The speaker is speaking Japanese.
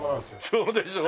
そうでしょ？